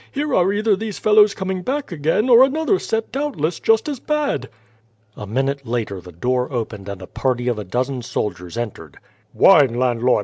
"Here are either these fellows coming back again, or another set doubtless just as bad." A minute later the door opened and a party of a dozen soldiers entered. "Wine, landlord!